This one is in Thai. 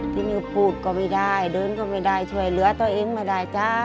ทีนี้พูดก็ไม่ได้เดินก็ไม่ได้ช่วยเหลือตัวเองไม่ได้จ้า